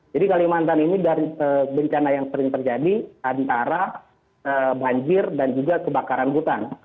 jadi kalimantan ini dari bencana yang sering terjadi antara banjir dan juga kebakaran hutan